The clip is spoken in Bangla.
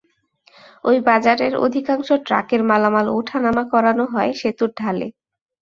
ওই বাজারের অধিকাংশ ট্রাকের মালামাল ওঠা নামা করানো হয় সেতুর ঢালে।